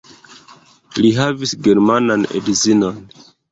Li havis germanan edzinon.